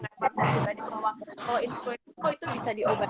kalau influenza itu bisa diobati